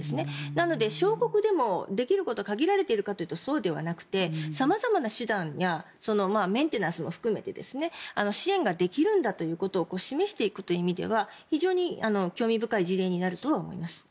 なので、小国でもできることは限られているかというとそうではなくて、様々な手段やメンテナンスも含めて支援ができるんだということを示していくという意味では非常に興味深い事例になると思います。